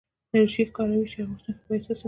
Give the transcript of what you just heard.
دریشي ښکاروي چې اغوستونکی بااحساسه دی.